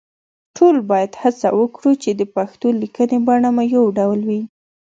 ټول باید هڅه وکړو چې د پښتو لیکنې بڼه مو يو ډول وي